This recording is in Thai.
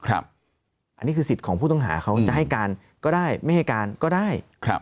อันนี้คือสิทธิ์ของผู้ต้องหาเขาจะให้การก็ได้ไม่ให้การก็ได้